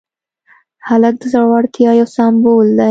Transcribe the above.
هلک د زړورتیا یو سمبول دی.